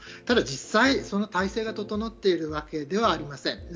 ただ実際、体制が整っているわけではありません。